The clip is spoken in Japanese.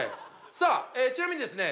ちなみにですね。